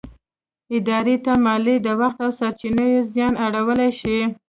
ادارې ته مالي، د وخت او سرچينو زیان اړولی شي.